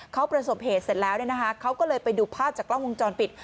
เขาประสบเหตุเสร็จแล้วเขาก็เลยไปดูภาพจากกล้องวงจรปิด